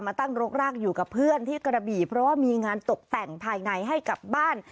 ตั้งรกรากอยู่กับเพื่อนที่กระบี่เพราะว่ามีงานตกแต่งภายในให้กลับบ้าน